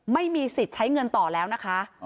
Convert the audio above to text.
ไม่มีสิทธิ์ใช้เงินต่อแล้วนะคะ